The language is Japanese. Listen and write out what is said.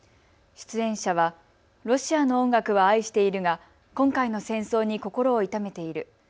出演者はロシアの音楽は愛しているが今回の戦争に心を痛めている。